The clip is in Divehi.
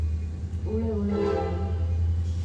އުޅެއުޅެ ހަމަ ނުވި